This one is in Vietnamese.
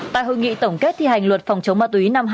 tại hội nghị tổng kết thi hành luật phòng chống ma túy năm hai nghìn